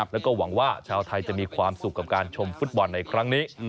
แล้วก็หวังว่าชาวไทยจะมีความสุขกับการชมฟุตบอลในครั้งนี้